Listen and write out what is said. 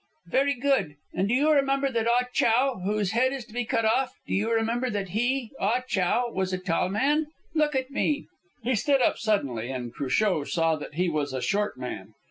"Very good. And do you remember that Ah Chow, whose head is to be cut off do you remember that he Ah Chow was a tall man? Look at me." He stood up suddenly, and Cruchot saw that he was a short man.